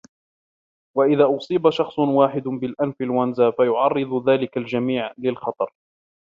وإذا أصيب شخص واحد بالإنفلونزا فيعرض ذلك الجميع للخطر.